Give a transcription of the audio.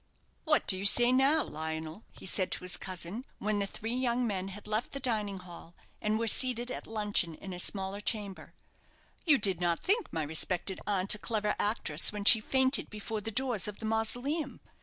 "What do you say now, Lionel?" he said to his cousin, when the three young men had left the dining hall, and were seated at luncheon in a smaller chamber. "You did not think my respected aunt a clever actress when she fainted before the doors of the mausoleum.